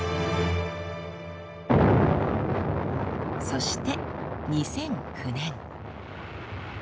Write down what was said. そして２００９年。